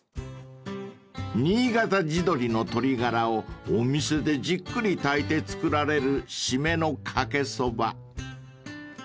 ［にいがた地鶏の鶏ガラをお店でじっくり炊いて作られる締めのかけそば］